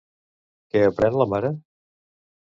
Què aprèn la mare?